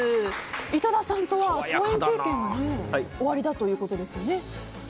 井戸田さんとは、共演経験がおありだということですよね。